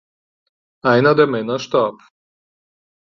Einer der Männer starb.